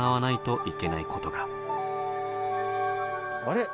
あれ？